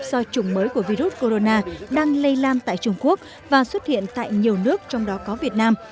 do chủng mới của virus corona đang lây lan tại trung quốc và xuất hiện tại nhiều nước trong đó có việt nam